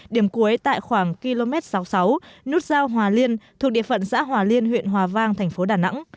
điểm cuối tại khoảng km sáu mươi sáu nút giao hòa liên thuộc địa phận xã hòa liên huyện hòa vang thành phố đà nẵng